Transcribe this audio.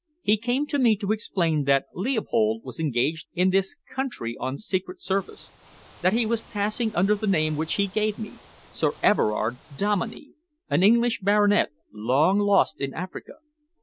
He came to me to explain that Leopold was engaged in this country on secret service, that he was passing under the name which he gave me, Sir Everard Dominey, an English baronet, long lost in Africa.